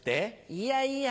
いやいや。